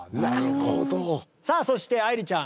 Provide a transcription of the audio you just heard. さあそして愛理ちゃん